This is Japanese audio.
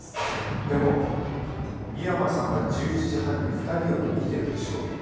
でも井山さんが１１時半に２人を見てるって証言が。